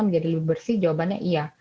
menjadi lebih bersih jawabannya iya